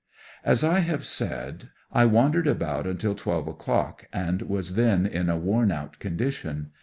As I have said, I wandered about until 12 o'clock, and was then in a worn out condition.